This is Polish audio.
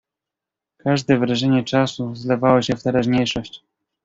"Każde wrażenie czasu zlewało się w teraźniejszość."